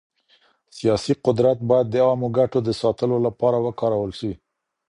سياسي قدرت بايد د عامه ګټو د ساتلو لپاره وکارول سي.